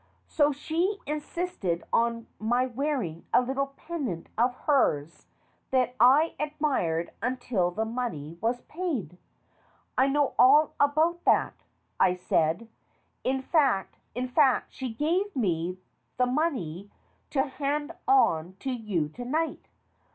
So she insisted on my wearing a little pendant of hers that I admired until the money was paid." "I know all about that," I said. "In fact, she gave me the money to hand on to you to night.